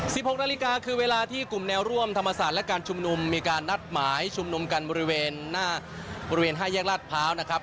หกนาฬิกาคือเวลาที่กลุ่มแนวร่วมธรรมศาสตร์และการชุมนุมมีการนัดหมายชุมนุมกันบริเวณหน้าบริเวณห้าแยกลาดพร้าวนะครับ